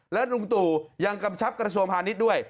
และลุงตู่ยังกำชับกระทรวงพาณิชย์ด้วย